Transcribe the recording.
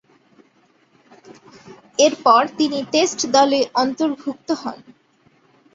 এরপর তিনি টেস্ট দলে অন্তর্ভুক্ত হন।